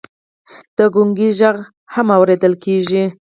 د ګونګ غږ هم اورېدل کېږي.